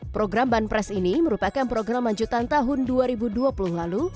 program banpres ini merupakan program lanjutan tahun dua ribu dua puluh lalu